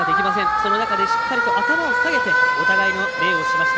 その中で、しっかりと頭を下げてお互いに礼をしました。